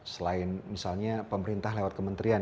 selain misalnya pemerintah lewat kementerian